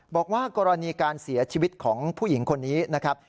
บอกว่ากรณีการเสียชีวิตของผู้หญิงคนนี้นะครับ